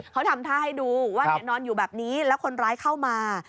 เขาทำท่าให้ดูว่านอนอยู่แบบนี้แล้วคนร้ายเข้ามา